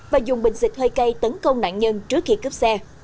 và dùng bình xịt hơi cây tấn công nạn nhân trước khi cướp xe